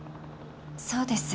そうです。